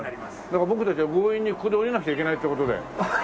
だけど僕たちは強引にここで降りなくちゃいけないって事で。